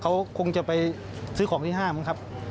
เขาคงจะไปซื้อของที่ห้างมั้งครับ